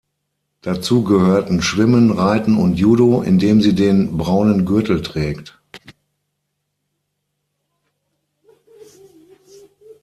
Dazu gehörten Schwimmen, Reiten und Judo, in dem sie den braunen Gürtel trägt.